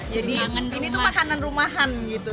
jadi ini tuh makanan rumahan gitu